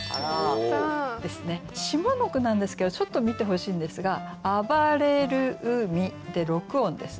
下の句なんですけどちょっと見てほしいんですが「あばれる海」で６音ですね。